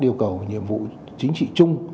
yêu cầu nhiệm vụ chính trị chung